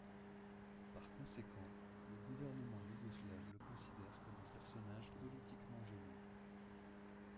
Par conséquent, le gouvernement yougoslave le considère comme un personnage politiquement gênant.